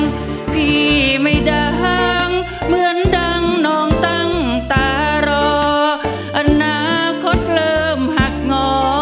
ก็มีไว้ที่พี่ไม่ดั่งเหมือนดังนองตั้งตารออนาคตเริ่มหักงอ